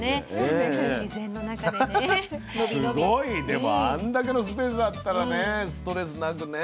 すごいでもあんだけのスペースあったらストレスなくね。